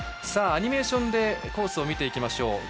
アニメーションでコースを見ていきましょう。